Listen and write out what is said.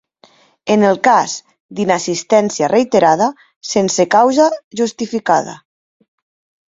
En el cas d'inassistència reiterada sense causa justificada.